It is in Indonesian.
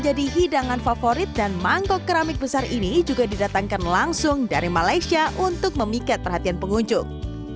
jadi hidangan favorit dan mangkok keramik besar ini juga didatangkan langsung dari malaysia untuk memikat perhatian pengunjung